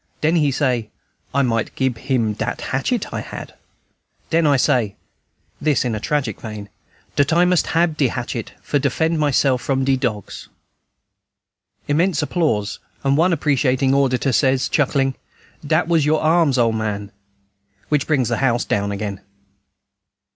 "Den he say I might gib him dat hatchet I had. "Den I say" (this in a tragic vein) "dat I must hab dat hatchet for defend myself from de dogs!" [Immense applause, and one appreciating auditor says, chuckling, "Dat was your arms, ole man," which brings down the house again.